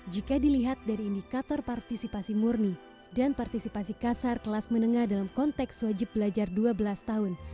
jika dilihat dari indikator partisipasi murni dan partisipasi kasar kelas menengah dalam konteks wajib belajar dua belas tahun